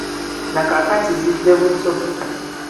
Na kaakati zizze buto.